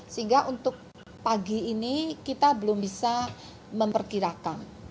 sehingga untuk pagi ini kita belum bisa memperkirakan